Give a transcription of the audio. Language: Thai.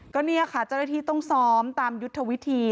ก็เนี่ยค่ะเจ้าหน้าที่ต้องซ้อมตามยุทธวิธี